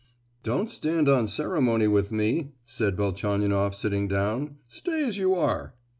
"Don't stand on ceremony with me," said Velchaninoff sitting down; "stay as you are!"